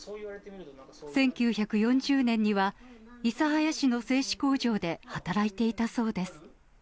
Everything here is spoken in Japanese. １９４０年には、諫早市の製糸工場で働いていたそうです。